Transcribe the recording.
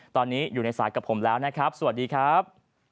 ตอนนี้อยู่ในสายกับผมแล้วนะครับสวัสดีครับ